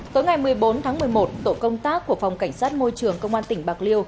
tối ngày một mươi bốn tháng một mươi một tổ công tác của phòng cảnh sát môi trường công an tỉnh bạc liêu